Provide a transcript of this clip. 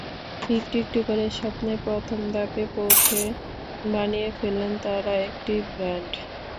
একটু একটু করে স্বপ্নের প্রথম ধাপে পৌঁছে বানিয়েই ফেললেন তাঁরা একটি ব্যান্ড।